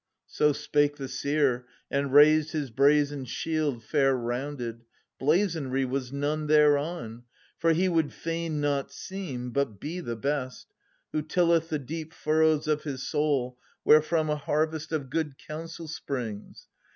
So spake the seer, and raised his brazen shield 590 Fair rounded : blazonry was none thereon ; For he would fain, not seem, but be, the best, Who tilleth the deep furrows of his soul Wherefrom a harvest of good counsel springs.